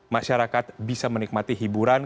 masyarakat bisa menikmati hiburan